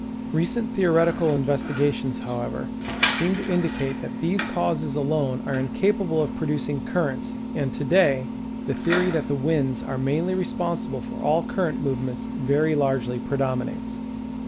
Recent theoretical investigations, however, seem to in dicate that these causes alone are incapable of producing cur rents, and, to day, the theory that the winds are mainly responsi ble for all cuj rent movements very largely predominates.